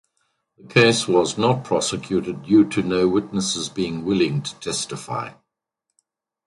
The case was not prosecuted due to no witnesses being willing to testify.